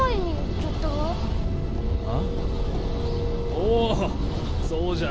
おおそうじゃ！